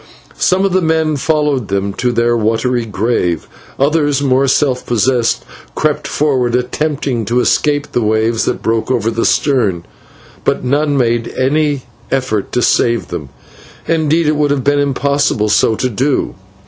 Some of the men followed them to their watery grave, others, more self possessed, crept forward, attempting to escape the waves that broke over the stern, but none made any effort to save them, and indeed it would have been impossible so to do.